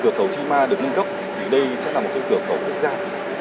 cửa khẩu chi ma được nâng cấp đây sẽ là một cửa khẩu rất dài